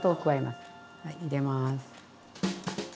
はい入れます。